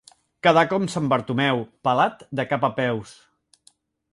Quedar com sant Bartomeu: pelat de cap a peus.